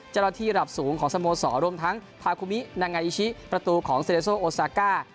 ระดับสูงของสโมสรรวมทั้งทาคุมินางาอิชิประตูของเซเลโซโอซาก้า